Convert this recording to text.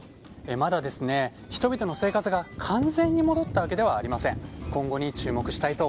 まだ人々の生活が完全に戻ったわけではありません。